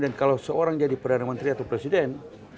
dan kalau seorang jadi perdana menteri atau presiden